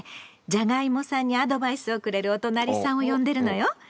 じゃがいもさんにアドバイスをくれるおとなりさんを呼んでるのよ。